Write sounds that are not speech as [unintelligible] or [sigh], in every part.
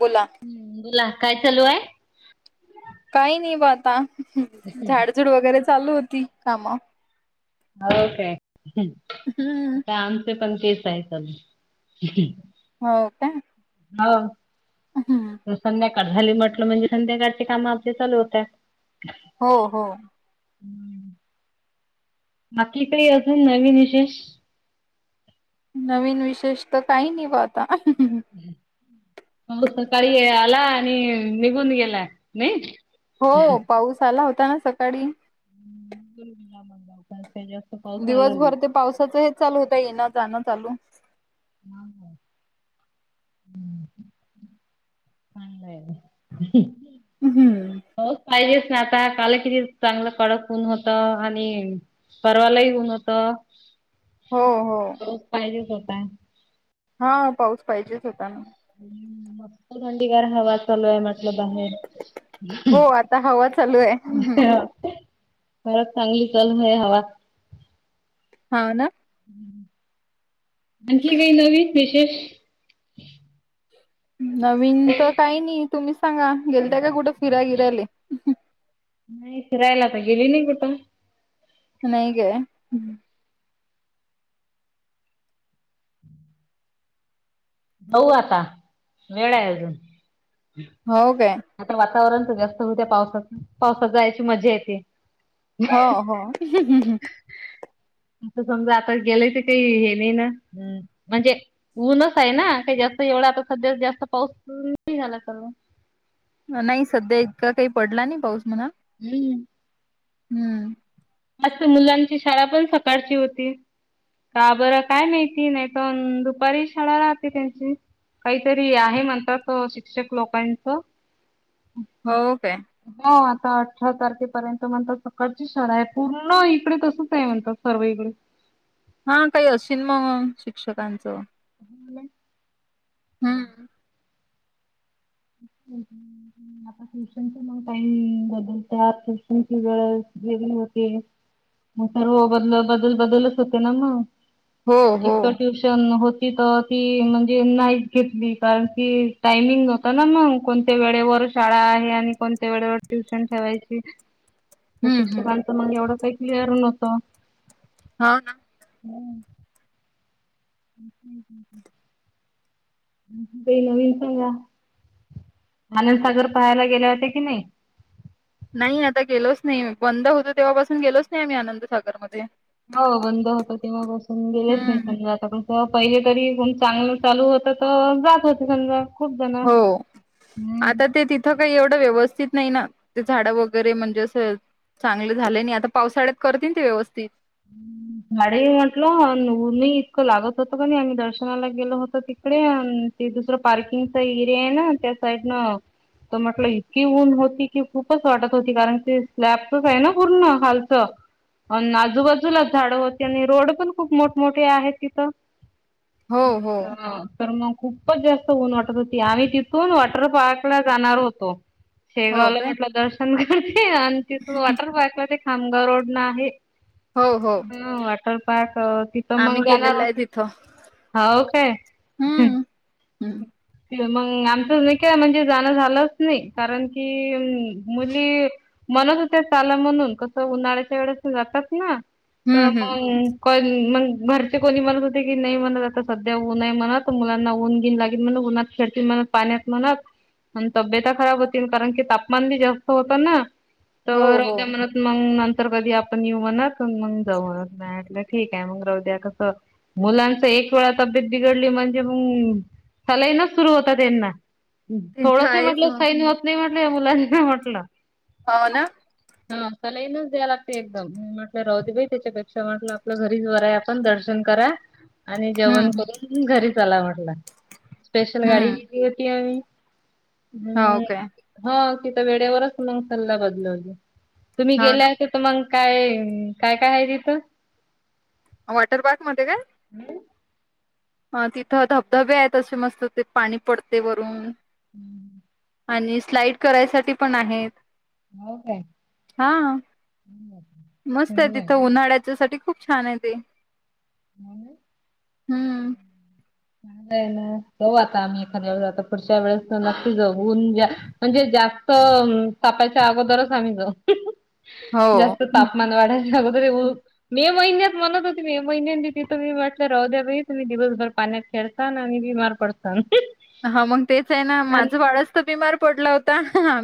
बोला. हम्म बोला काय चालू हाय? काही नाही ब आता झाड-झूड वगैरे चालू होती कामं. हाव काय हम्म. आता आमचे पण तेच आहे चालू. हो का. हाव. हम्म. संध्याकाळ झाली म्हटलं म्हणजे संध्याकाळचे कामं आपले चालू होत्यात. हो हो. बाकी काय अजून नवीन विशेष? नवीन विशेष तर काही नाही बा आता. पाऊस सकाळी आला आणि निघून गेला नाही. हो पाऊस आला होता ना सकाळी. [unintelligible] आला नाही. दिवसभर ते पावसाचा हेच चालू होता येणं जाणं चालू. नाव काय हम्म. [unintelligible] उम्म हम्म. पाऊस पाहिजेच ना आता काले किती चांगलं कडक उन होत आणि परवालाही ऊन होतं हो हो पाऊस पाहिजेच होता. हा पाऊस पाहिजेच होता ना. हम्म मस्त थंडीगार हवा चालू आहे म्हटलं बाहेर. हो आता हवा चालू आहे हम्म हम्म. मग चांगली [unintelligible] आहे हवा. हा ना. आणिखी काय नवीन विशेष? नवीन तर काही नाही तुम्हीच सांगा गेल त्या काय कुठे फिराय गिरायले. नाही फिरायला तर गेली नाही कुठं. नाही गेये. पाहू आता वेळ आहे अजून. हो काय. आता वातावरण तर जास्त होत्या पावसाच पावसात जायची मजा येते. हो हो, हम्म हम्म. त समजा आता गेलंय तर काही हे नाही ना म्हणजे. ऊनच आहे ना काही जास्त एवढा आता सध्या जास्त पाऊस नाही झाला तर मग. नाही सध्या इतका काही पडला नाही पाऊस म्हणा. हम्म. हम्म. मस्त मुलांची शाळा पण सकाळची होती. का बरं काय माहिती नाही तर दुपारी शाळा राहते त्यांची. काहीतरी आहे म्हणतात अ शिक्षक लोकांचं. हो काय. हो आता अठरा तारखेपर्यंत म्हणतात सकाळची शाळा आहे पूर्ण इकडे तसच आहे म्हणतात सर्व इकडे. हा काही असेन मग शिक्षकांचं. नाय. हम्म. हम्म [inaudible] आता ट्युशनचा मग टाइम बदलत ट्युशनची वेळ वेगळी होते. म सर्व बदल बदल बदलच होते ना हो मग हो एक तर ट्यूश''--'' न होती तर ती म्हणजे नाही घेतली कारण ती टायमिंग. ना मग कोणत्या वेळेवर शाळा आहे आणि कोणत्या वेळेवर ट्युशन ठेवायची. तर हम्म हम्म शिक्षकांचं मग एवढं काही क्लिअर नव्हत. हा ना, हम्म. ''हं ''हं ''हं '' काही नवीन सांगा आनंदसागर पहायला गेले होत्या की नाही. नाही आता गेलोच नाही बंद होतो तेव्हापासून गेलोच नाही आम्ही आनंदसागरमध्ये. हो बंद होत तेव्हा बसून गेलेच नाही हम्म. समजा आता कसं पहिले तरीन चांगलं चालू होत. त जात होते समजा. खूप जण. हो हम्म. आता ते तिथ. थ काही एवढं व्यवस्थित नाही ना ते झाडं वगैरे म्हणजे असं. चांगले झाले नाही आता पावसाळ्यात करतील ते व्यवस्थित. झाडेही म्हटलं उऊरूनही इतकं लागत होतं का नाही आम्ही दर्शनाला गेलो होतो तिकडे आन ते दुसरं पार्किंगचा एरिया आहे ना त्या साइडन. तर म्हटलं इतकी ऊन होती कि खूपच वाटत होती कारण ते स्लॅबचच आहे ना पूर्ण खालचं. अ आजूबाजूला झाडं होती आणि रोड पण खूप मोठमोठे आहेत तिथं. हो हो अ तर मग. खूपच जास्त ऊन वाटत होती आम्ही तिथून वॉटर पार्क ला जाणार होतो. हो शेगावला काय म्हटलं दर्शन करते आणि तिथून वॉटर पार्क ला ते खामगाव रोड ना आहे. हो हो हम्म वॉटर पार्क ती''--'' तर आम्ही मग जाणार गेलेलो आहे तिथं होती. हम्म हम्म मग आमच नाही काय म्हणजे जाण झालच नाही. कारण की मुली मुली म्हनत होत्या चाला म्हणून. कस उन्हाळ्याच्या वेळेस जातात ना. तर हम्म हम्म मग मग घरचे कोणी म्हणत होते की नाही म्हणत आता सध्या ऊनय म्हणत. मुलांना ऊन बिन लागेल म्हण उन्हात खेडतील म्हणत पाण्यात म्हणत. आणि तब्येता खराब होतील. कारण की तापमान बी जास्त होत ना. हो तर हो त्या म्हनत मग नंतर कधी आपण येऊ म्हणत, मग जाऊ म्हणत. म्या म्हटल मग ठीक आहे. मग राऊ द्या कस मुलांच एक वेळा तब्येत बिघडली म्हणजे मग सलईनच सुरू होता त्यांना. तिथं थोडस आहेच म्हटल मग सैन होत नाही म्हटल या मुलांना म्हटल. हाव ना. हा सलाईनच द्या लागते एकदम. म्हटल राहु दे बाई त्याच्यापेक्षा म्हटल आपल घरीचर आहे आपल. पण दर्शन करा, आणि जेवण हम्म, करून घरी चला म्हटल. स्पेशल गाडी हम्म. केली होती आम्ही. हो हम्म काय. ह तिथ वेळेवरच मग सल्ला बदलवली. तुम्ही हां ना गेल्या तिथ मग काय, काय काय आहेय तिथ. वॉटर पार्क मध्ये काय? [inaudible] अ तिथ धबधबे आहेत. असे मस्त ते पाणी पडते वरून. [inaudible] आणि स्लाइड करायसाठी पण आहेत. हो काय हा मस्त आहे चांगलं तिथ. हो उन्हाळ्याच्या साठी खूप छान आहे ते. [inaudible] हम्म नाही ना जाऊ आता आम्ही एखाद्याेळेस. आता पुढच्या वेळेस तर नक्की जाऊ. ऊन ज्या म्हणजे जास्त तपाच्या अगोदरच आम्ही हो. जास्त हं, तापमान वाढायच्या अगोदर हं. मे महिन्यात म्हणत होती मे महिन्यांनी तिथ मी म्हटल राहु द्या बयी तुम्ही दिवसभर पाण्यात खेळतान आणि बीमार पडतान. हा मग तेच आहे ना, माझ बाळच तर बिमार पडल होत.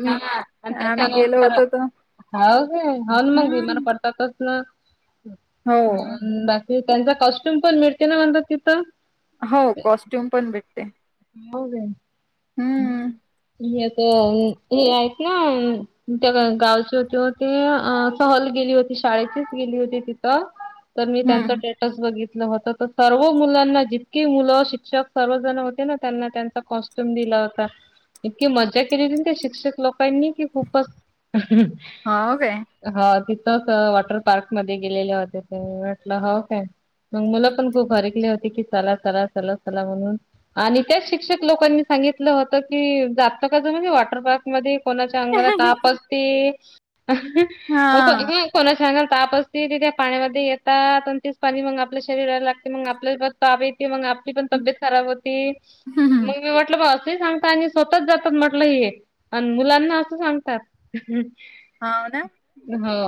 हा आणि त्याच्यानंतर होतो तर हाव घे हाव ना मग बिमार हम्म. पडत आता कसल, हो. बाकी त्यांचा कॉस्ट्युम पण मिळते ना म्हटल तिथ. हो कॉस्ट्यूम पण भेटते. [unintelligible] हम्म एक हे आहेत ना, त्या गावचे होती हो ते सहल गेली होती. शाळेचीच गेली होती तिथ. तर मी त्यांच हम्म. स्टेटस बघितल होत. सर्व मुलांना जितकीे मुल शिक्षक सर्व जण होते ना, त्यांना त्यांचा कॉस्ट्यूम दीला होता. इतकी मजा केली होती ना त्या शिक्षक लोकांनी कि खूपच हो काय हो तिथंच वॉटर पार्क मध्ये गेलेले होते ते. म्हटल हो काय. मग मुलं पण खूप हरकले होती की, चला चला चला चला म्हणून. आणि तेच शिक्षक लोकांनी सांगितल होत की, जात का जाऊ म्हणजे वॉटर पार्क मध्ये. कोणाच्या अंगाला ताप असते. हां. [unintelligible] कोणाच्या अंगाला ताप असते तिथे पाण्यामध्ये येतात आणि तेच पाणी मग आपल्या शरीराला लागते. मग आपल्याला परत जावेची मग आपली, पण तब्येत खराब होती. मग मी म्हट असे सांगता आणि स्वतःच जातात म्हटलं, हे अन मुलांना असं सांगतात. हा ना, हो,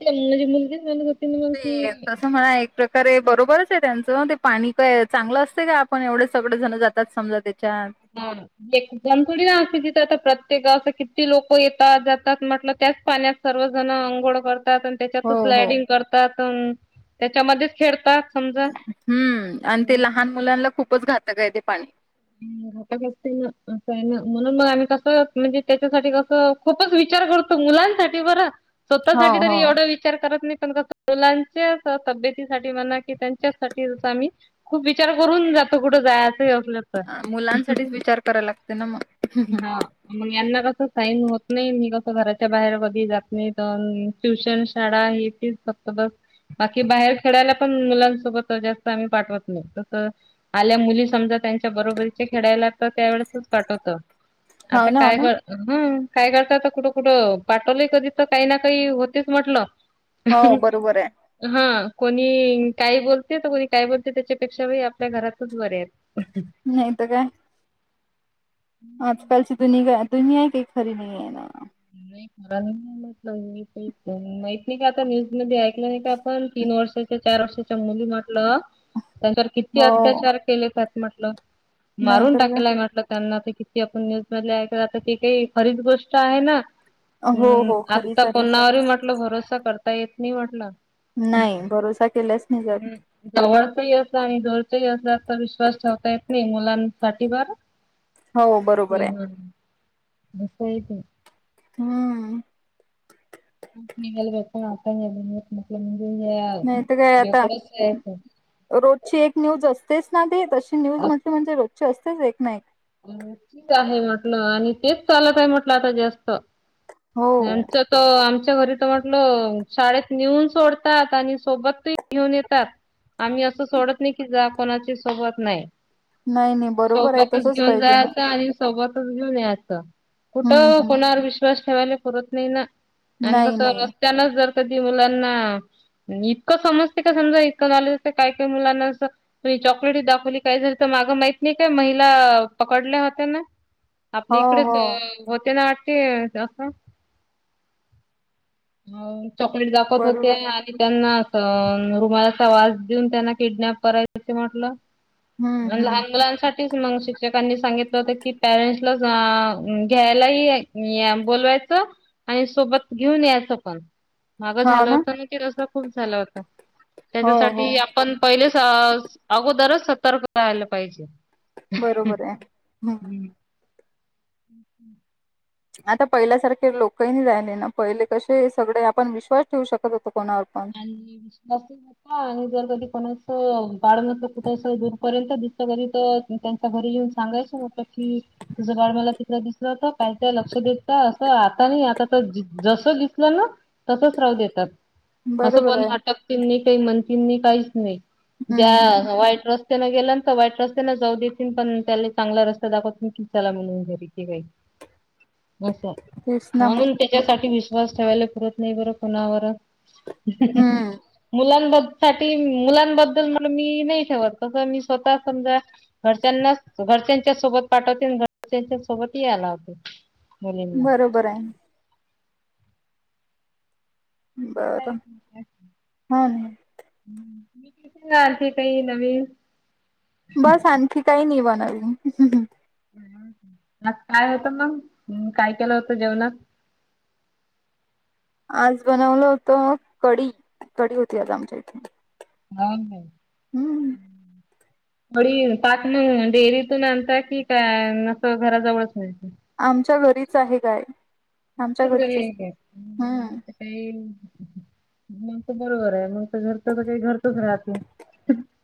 तेन म्हणजे मुलगीच म्हणत होती. ना मग ते की तस मला एक प्रकारे बरोबरच आहे. त्याचं ते पाणी काय चांगलं असते. का आपण एवढे सगळे जण जातात. समजा तेच्यात हा ना, एकजण थोडी असते. तिथं आता प्रत्येक गावाच किती लोकं येतात जातात म्हटलं त्याच पाण्यात सर्वजण अंघोळ करतात, अन हो त्याच्यातच हो स्लायडिंग करतात. त्याच्यामध्येच खेळतात. समजा हम्म आणि ते हम्म लहान मुलांना खूपच घातक आहे. ते पाणी [inaudible] असय ना, म्हणून आम्ही कसं म्हणजे त्याच्यासाठी कस, खूपच विचार करून मुलांसाठी बरं, हो स्वतःसाठी हो तरी एवढं विचार करत नाही, पण मुलांच्या तब्येतीसाठी म्हणा की, त्यांच्यासाठीच आम्ही खूप विचार करून जातो. कुठं जायचं असल, अ, मुलांसाठीच विचार करायला लागतयं. ना मग हम, हा मग यांना कसं साईन होत नाही, मी कसं घराच्या बाहेर कधी जात नाही, पण ट्युशन शाळा हे ती फक्त बस बाकी बाहेर खेळायला, पण मुलांसोबत जास्त आम्ही पाठवत नाही तस आल्या मुली समजा, त्यांच्या बरोबरीचे खेळायला तर त्यावेेळेसच पाठवतो. हो आता ना हो काय ना बरं, हम्म, काय करतात कुठं- कुठं पाठवलंय. कधी तर काही ना काही होतेच म्हटल. हो, बरोबर हाय. हा कोणी काय बोलते, तर कोणी काय बोलते, त्याच्यापेक्षा आपल्या घरातच बरे आहेत. [unintelligible] नाही तर काय, आजकालची दुनि दुनिया खरी नाही आहे ना, [unintelligible] नाही का आपण तीन वर्षाच्या, चार वर्षाच्या मुली म्हटलं, त्याच्यावर किती हो अत्याचार केले जात म्हटलं, मारून नाहीतर काय टाकला म्हटलं त्यांना की, आपण न्यूज मधल्या ऐकायला, आता ती काही खरीच गोष्ट आहे ना, हो हम्म, हो आता खरीच आहे कोणावरही म्हटल भरोसा करता येत नाही म्हटल. नाही. भरोसा केलाच नाही जात. जवळच ही अस आणि जोरच ही असलं तर विश्वास ठेवता येत नाही. मुलांसाठी बरं हो बरोबर आहे [unintelligible] हम्म, नाही तर काय आता [unintelligible] रोजची एक न्यूज असतेच ना ती तशी न्यूज म्हटली म्हणजे रोजची असतेच एक ना अ ठीक आहे म्हटलं आणि तेच चालतय म्हटलं. आता जास्त हो तर आमच्या घरी तर म्हटलं, शाळेत नेऊन सोडतात आणि सोबत ही घेऊन येतात. आम्ही असं सोडत नाही की, जा कोणाची सोबत नाही. नाही नाही, बरोबर आहे तसच पाहिजे. ताई सोबतच घेऊन यायचं, हम्म कुठं हम्म कोणावर विश्वास ठेवायला परत नाही ना. आणि नाही कस नाही रस्त्यानच जर कधी मुलांना इतकं समजते का समजा, इतकं झालं काय काय मुलांना असं कुणी चॉकलेट दाखवली काय झालं, तर माग माहीत नाही काय माही आपलं पकडल होत ना. आपली हो इकडेच हो होते ना वाटतं असं. हो चॉकलेट दाखवत होते. बरोबर आणि त्यांना रुमालाचा वास देऊन, त्यांना किडनॅप करायच असं म्हटलं. हम्म म हम्म लहान मुलांसाठी तेच मग शिक्षकांनी सांगितलं होत की, पॅरेंट्सला सांग घ्यायला ये. या बोलवायचं आणि सोबत घेऊन यायच. आस पण माग हा झाल होत ना ते, रस्ता खूप झालं होत हो हो त्याच्यासाठी आपण पहिले अगोदरच सतर्क व्हायला पाहिजे. बरोबर आहे. हम्म. [inaudible] आता पहिल्यासारखे लोकही नाही राहिले ना. पहिले कसे सगळे आपण विश्वास ठेवू शकत होतो कोणासनी पर हा आणि जर कोणच बाळ नस कोणाच अस कुठं दूर पर्यंत घरी तर त्यांच्या घरी येऊन सांगायचं होत की, तुझं बाळ मला तिथ दिसलं होत‌. काहीच लक्ष देता असं आता नाही, आता जस दिसलं ना तसच राहू देतात. असं बरोबर पण आहे अटक केली काही म्हणतींनी काहीच नाही. हम्म हम्म ज्या वाईट र स्त्याला गेला ना. तर वाईट रस्त्याने जाऊ देतील पण त्याला चांगला रस्ता दाखवत की, चला म्हणून घरी बाई [unintelligible] असं. तेच ना हा मग म्हणून तीच्यासाठी विश्वास ठेवायला पुरत नाही बरं कोणावर. हम्म मुलांबद्द साठी मुलांबद्दल म मी नाही ठेवत तस. मी स्वतः समजा घरच्यांनाच घरच्यांच्या सोबत पाठवते आणि घरच्यांच्या सोबतही यायला लावते. मुलींना. बरं हाय. बरं हो ना [unintelligible] मी कि ते काही नवीन बस आणखी काही नाही बनवल. आज काय होतं मग काय केलं होतं जेवणात? आज बनवलं होतं. कढी. कढी होती आज आमच्या इथं. हो ना. कढी ताक म डेअरीतून आणता की काय अस घराजवळच मीळत. आमच्या घरीच आहे गाय. आमच्या आमच्याच घरीच घरी एक असते आहे. हम्म. ते मग तर बरोबर आहे. मग तर घरच तर काही घरतच राहतं.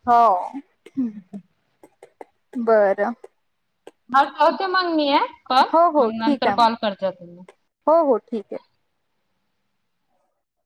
हो बरं. हा ठेवते मग मी आहे. कॉल हो हो मग ठीक नंतर आहे कॉल करते तुम्ही. हो हो ठीक आहे..